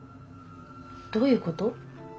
どういうこと？